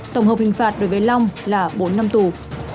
tổng hợp hình phạt đối với long là bốn năm tù